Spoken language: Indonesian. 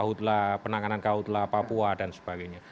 kau telah penanganan kau telah papua dan sebagainya